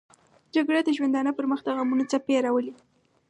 جګړه د ژوندانه پر مخ دغمونو څپې راولي